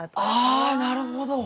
あなるほど！